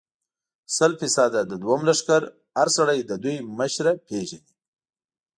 سل فیصده، د دوهم لښکر هر سړی د دوی مشره پېژني.